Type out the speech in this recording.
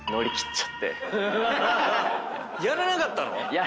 やらなかったの⁉